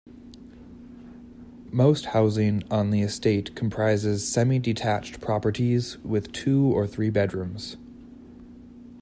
Most housing on the estate comprises semi-detached properties with two or three bedrooms.